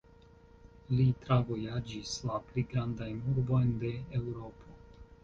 Li travojaĝis la pli grandajn urbojn de Eŭropo.